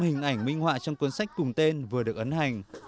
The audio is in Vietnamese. hình ảnh minh họa trong cuốn sách cùng tên vừa được ấn hành